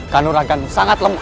kanuragan sangat lemah